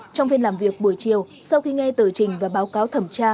trong phiên làm việc buổi chiều sau khi nghe tờ trình và báo cáo thẩm tra